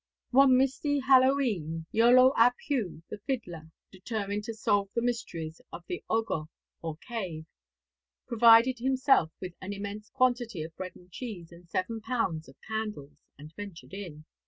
One misty Hallow E'en, Iolo ap Hugh, the fiddler, determined to solve the mysteries of the Ogof, or Cave, provided himself with 'an immense quantity of bread and cheese and seven pounds of candles,' and ventured in.